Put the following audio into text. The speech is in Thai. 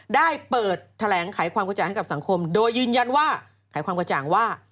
ได้เปิดแถลงไขความกระจ่างให้กับสังคมโดยยืนยันว่าไขความกระจ่างว่า